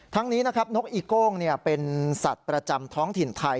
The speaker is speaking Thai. นี้นะครับนกอีโก้งเป็นสัตว์ประจำท้องถิ่นไทย